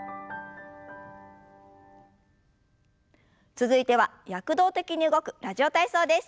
続いては躍動的に動く「ラジオ体操」です。